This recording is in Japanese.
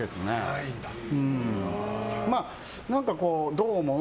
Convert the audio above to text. どう思う？